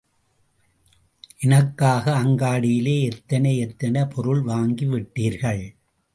எனக்காக அங்காடியிலே எத்தனை எத்தனை பொருள் வாங்கி விட்டீர்கள்!